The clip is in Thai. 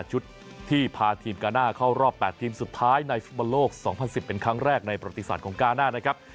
ชุดที่พาทีมกาน่าเข้ารอบ๘ทีมสุดท้ายในฟุตบอลโลก๒๐๑๐เป็นครั้งแรกในประวัติศาสตร์ของกาน่านะครับ